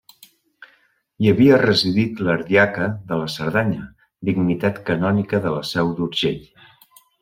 Hi havia residit l'ardiaca de la Cerdanya, dignitat canònica de la Seu d'Urgell.